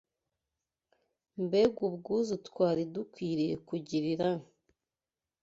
mbega ubwuzu twari dukwiriye kugirira